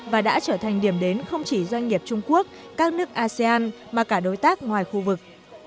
và đã trở thành điểm đến không chỉ doanh nghiệp trung quốc các nước asean mà cả đối tác ngoài khu vực